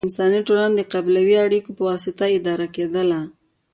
انساني ټولنه د قبیلوي اړیکو په واسطه اداره کېدله.